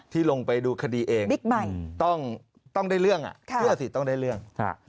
ลงไปดูคดีเองต้องได้เรื่องเชื่อสิต้องได้เรื่อง